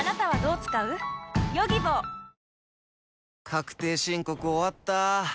確定申告終わった。